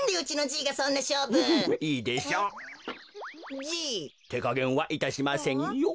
じい？てかげんはいたしませんよ。